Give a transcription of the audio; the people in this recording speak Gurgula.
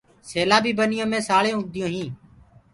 سيلآ بي ٻنيو مي سآݪينٚ اُگديونٚ هين۔